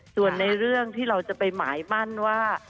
ส่วนในเรื่องที่เราจะไปหมายมั่นว่า